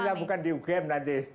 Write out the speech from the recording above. nanti dia bukan di ugm nanti